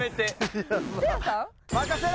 任せろ！